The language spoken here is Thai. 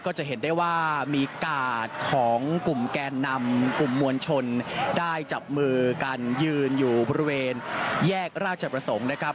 จะเห็นได้ว่ามีกาดของกลุ่มแกนนำกลุ่มมวลชนได้จับมือกันยืนอยู่บริเวณแยกราชประสงค์นะครับ